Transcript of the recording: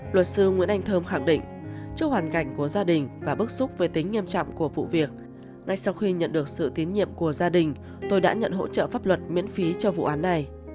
luật sư nguyễn anh thơm khẳng định trước hoàn cảnh của gia đình và bức xúc về tính nghiêm trọng của vụ việc ngay sau khi nhận được sự tín nhiệm của gia đình tôi đã nhận hỗ trợ pháp luật miễn phí cho vụ án này